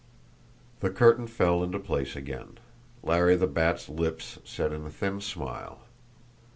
The curtain fell into place again. Larry the Bat's lips set in a thin smile.